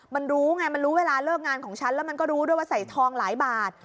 มันรู้ไงมันรู้เวลาเลิกงานของฉันแล้วมันก็รู้ด้วยว่าใส่ทองหลายบาท